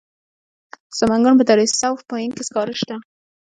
د سمنګان په دره صوف پاین کې سکاره شته.